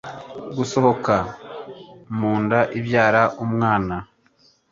Gusohoka mu nda ibyara k'umwana